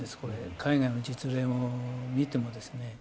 海外の実例を見てもですね。